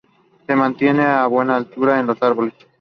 Se mantienen a buena altura en los árboles.